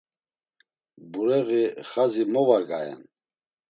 Bureği xadzi mo var gayen?